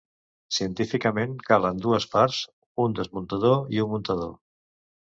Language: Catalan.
Científicament calen dues parts: un desmuntador i un muntador.